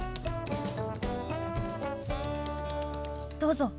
どうぞ。